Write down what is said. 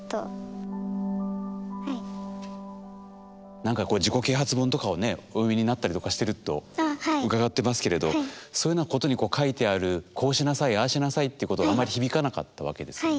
何かこう自己啓発本とかをねお読みになったりとかしてると伺ってますけれどそういうようなことに書いてある「こうしなさいああしなさい」っていうことはあんまり響かなかったわけですよね。